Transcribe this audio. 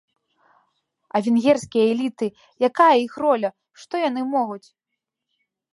А венгерскія эліты, якая іх роля, што яны могуць?